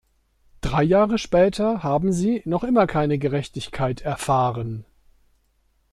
Drei Jahre später haben sie noch immer keine Gerechtigkeit erfahren.